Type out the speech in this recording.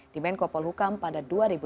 di menkopol hukam pada dua ribu lima belas